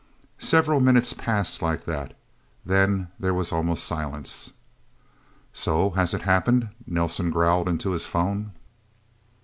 Several minutes passed like that. Then there was almost silence. "So has it happened?" Nelsen growled into his phone.